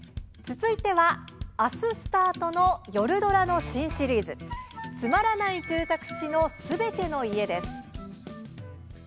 続いては、明日スタートの夜ドラの新シリーズ「つまらない住宅地のすべての家」です。